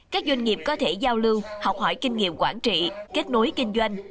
các doanh nghiệp có thể giao lưu học hỏi kinh nghiệm quản trị kết nối kinh doanh